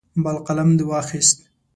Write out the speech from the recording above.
بل قلم دې واخیست.